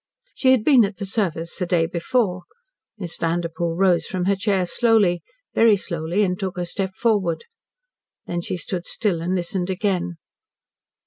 She had been at the service the day before. Miss Vanderpoel rose from her chair slowly very slowly, and took a step forward. Then she stood still and listened again.